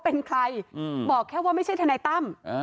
เป็นใครบอกแค่ว่าไม่ใช่ทนายตั้ม